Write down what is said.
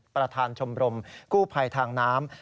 ประธานชมรมกู้ภัยทางน้ำ